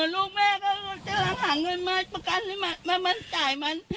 ลูกแม่ก็จะหาเงินมาประกันให้มันจ่ายมัน